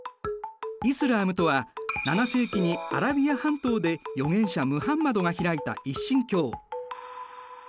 イスラームとは７世紀にアラビア半島で預言者ムハンマドがひらいた一神教。